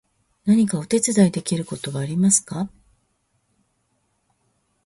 何かお手伝いできることはありますか？